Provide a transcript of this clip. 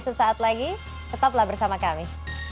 sesaat lagi tetaplah bersama kami